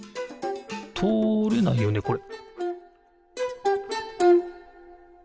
とおれないよねこれ？